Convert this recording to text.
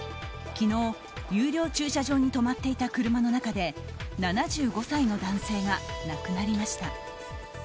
昨日、有料駐車場に止まっていた車の中で７５歳の男性が亡くなりました。